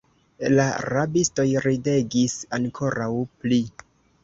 La rabistoj ridegis ankoraŭ pli.